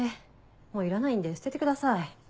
もういらないんで捨ててください。